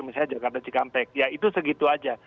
misalnya jakarta cikampek ya itu segitu aja